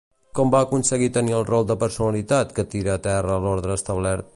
Com va aconseguir tenir el rol de personalitat que tira a terra l'ordre establert?